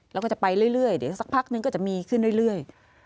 แล้วก็จะไปเรื่อยเดี๋ยวสักพักนึงก็จะมีขึ้นเรื่อย